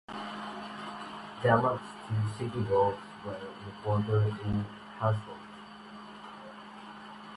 Damage to city walls were reported in Hanzhong.